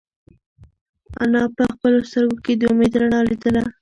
انا په خپلو سترگو کې د امید رڼا لیدله.